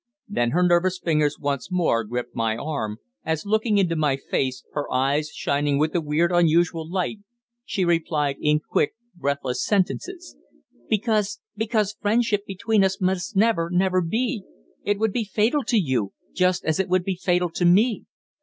Then her nervous fingers once more gripped my arm, as, looking into my face, her eyes shining with a weird, unusual light, she replied in quick, breathless sentences "Because because friendship between us must never, never be; it would be fatal to you, just as it would be fatal to me!